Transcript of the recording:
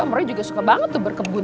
om roy juga suka banget tuh berkebun